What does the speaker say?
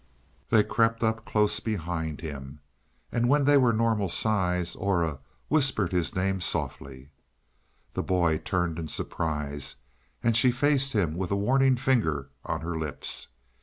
They crept up close behind him, and when they were normal size Aura whispered his name softly. The boy turned in surprise and she faced him with a warning finger on her lips.